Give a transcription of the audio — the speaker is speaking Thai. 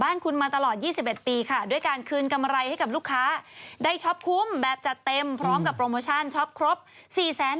ทางญี่ปุ่นนี้ถึงกับขอบพระชุมด่วนกันเลย